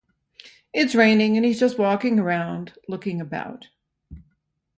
It's raining and he's just walking around, looking about.